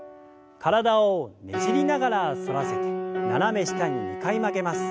体をねじりながら反らせて斜め下に２回曲げます。